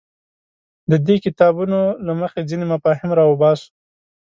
د دې کتابونو له مخې ځینې مفاهیم راوباسو.